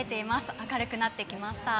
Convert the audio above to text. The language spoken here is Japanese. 明るくなってきました。